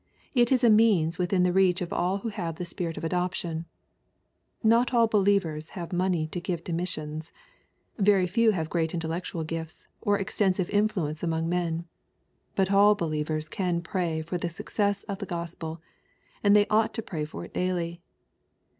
It is a means within the reacu of all who have the Spirit of adoption. Not all believers have money to give to mis sions. Very few have great intellectual gifts, or exten sive influence among men. But all believers can pray for the success of the Gospel, — and they ought to pray for it daily.